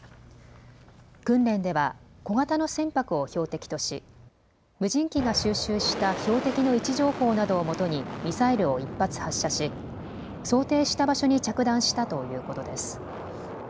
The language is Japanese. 訓練では小型の船舶を標的とし無人機が収集した標的の位置情報などをもとにミサイルを１発、発射し、想定した場所に着弾したということです。